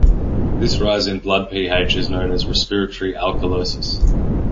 This rise in blood pH is known as respiratory alkalosis.